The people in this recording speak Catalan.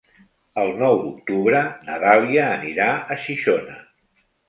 El nou d'octubre na Dàlia anirà a Xixona.